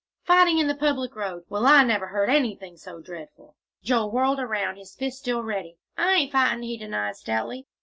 "Fighting in the public road! Well, I never heard anything so dreadful!" Joel whirled around, his fists still ready. "I ain't fighting," he denied stoutly.